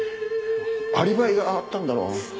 アリバイがあったんだろ。